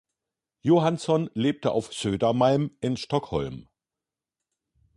Johansson lebt auf Södermalm in Stockholm.